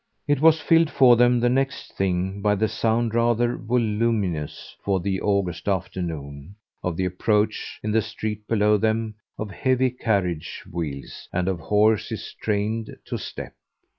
It was filled for them the next thing by the sound, rather voluminous for the August afternoon, of the approach, in the street below them, of heavy carriage wheels and of horses trained to "step."